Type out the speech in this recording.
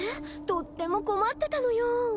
とっても困ってたのよ